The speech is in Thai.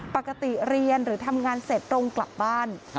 ปกติเรียนหรือทำงานเสร็จตรงกลับบ้าน